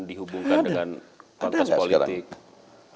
dihubungkan dengan kontras politik